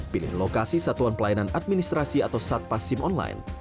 pilih lokasi satuan pelayanan administrasi atau satpas sim online